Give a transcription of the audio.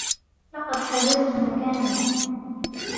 لقد حجزت مكانا.